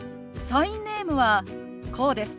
サインネームはこうです。